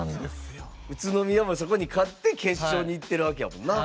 宇都宮もそこに勝って決勝に行ってるわけやもんね。